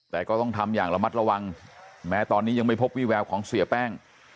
แต่ก็ต้องทำอย่างระมัดระวังแม้ตอนนี้ยังไม่พบวิแววของเสียแป้ง